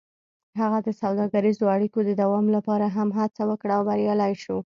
هغه د سوداګریزو اړیکو د دوام لپاره هم هڅه وکړه او بریالی شو.